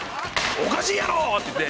「おかしいやろ！」って言って。